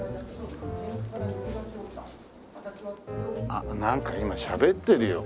あっなんか今しゃべってるよ。